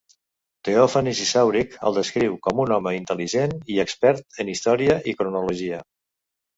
Teòfanes Isàuric el descriu com un home intel·ligent i expert en història i cronologia.